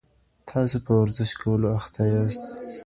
تاسو په ورزش کولو اخته یاست.